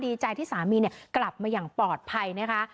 ดีใจที่สามีกลับมาอย่างปลอดภัยนะคะ